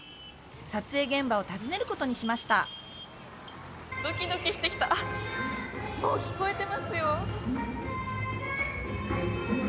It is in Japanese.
撮影現場を訪ねることにしましたドキドキしてきたあっもう聞こえてますよ